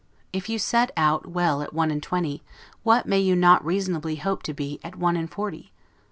If you set out well at one and twenty, what may you not reasonably hope to be at one and forty?